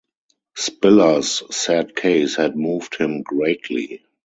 Spiller's sad case had moved him greatly.